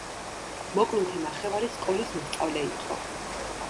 მოკლულთა ნახევარი სკოლის მოსწავლე იყო.